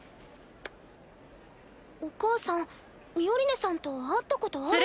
お母さんミオリネさんと会ったことある。